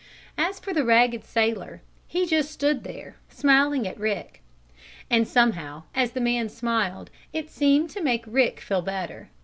As for the ragged sailor he just stood there, smiling at Rick. And somehow, as the man smiled, it seemed to make Rick feel better.